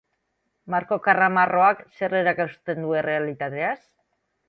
Marko karramarroak zer erakusten du errealitateaz?